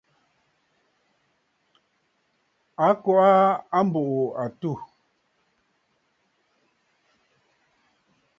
A kɔʼɔ aa a mbùʼû àtû.